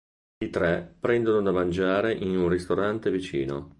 I tre prendono da mangiare in un ristorante vicino.